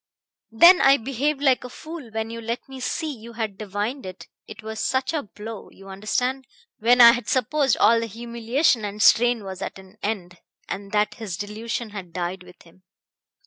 "Then I behaved like a fool when you let me see you had divined it; it was such a blow, you understand, when I had supposed all the humiliation and strain was at an end, and that his delusion had died with him.